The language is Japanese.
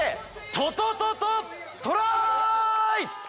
トトトトトライ！